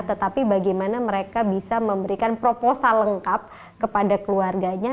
tetapi bagaimana mereka bisa memberikan proposal lengkap kepada keluarganya